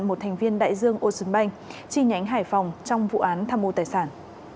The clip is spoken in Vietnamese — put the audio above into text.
một thành viên đại dương ocean bank chi nhánh hải phòng trong vụ án tham mô tài sản